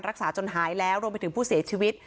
รักษาจนหายแล้วรวมไปถึงผู้เสียชีวิต